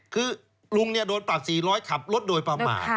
คือลุงโดนปรับ๔๐๐ขับรถโดยประมาท